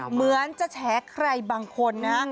เหมือนจะแฉใครบางคนนะฮะ